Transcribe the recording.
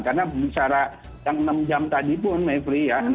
karena misalnya yang enam jam tadi pun maifli ya